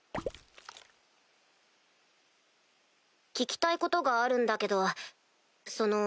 聞きたいことがあるんだけどその。